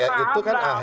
kita paham lah